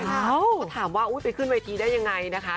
ก็ถามว่าอุ๊ยไปขึ้นวัยทีได้ยังไงนะคะ